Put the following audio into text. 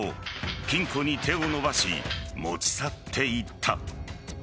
金庫に手を伸ばし持ち去っていった。